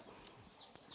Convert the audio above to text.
để khởi nghiệp